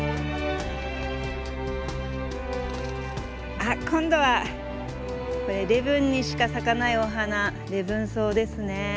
あっ今度はこれ礼文にしか咲かないお花レブンソウですね。